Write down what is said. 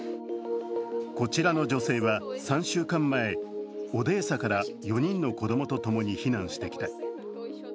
こちらの女性は３週間前、オデーサから４人の子供とともに避難してきた。